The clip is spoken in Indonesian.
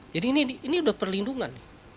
jadi ini sudah perlindungan